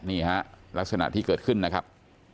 นี่ฮะลักษณะที่เกิดขึ้นนะครับ